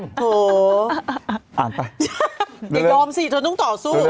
อย่างน้อยต้องต่อสู้